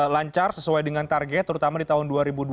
lancar sesuai dengan target terutama di tahun